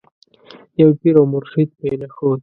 یو پیر او مرشد پرې نه ښود.